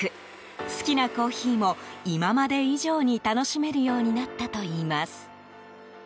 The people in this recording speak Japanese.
好きなコーヒーも今まで以上に楽しめるようになったといいます。